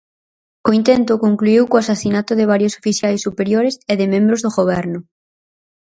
O intento concluíu co asasinato de varios oficiais superiores e de membros do goberno.